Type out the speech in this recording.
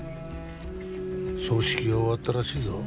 葬式が終わったらしいぞ。